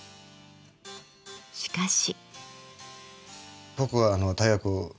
しかし。